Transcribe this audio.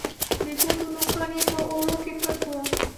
د ګوتو نوکان یې په اوړو کې پټ وه